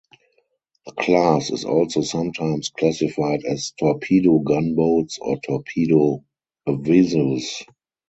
The class is also sometimes classified as torpedo gunboats or torpedo avisos.